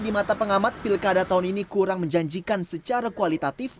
di mata pengamat pilkada tahun ini kurang menjanjikan secara kualitatif